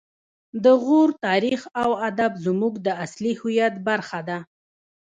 د غور تاریخ او ادب زموږ د اصلي هویت برخه ده